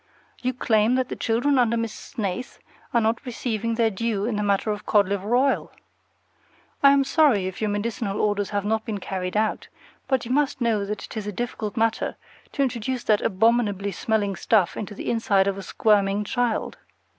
You claim that the children under Miss Snaith are not receiving their due in the matter of cod liver oil. I am sorry if your medicinal orders have not been carried out, but you must know that it is a difficult matter to introduce that abominably smelling stuff into the inside of a squirming child.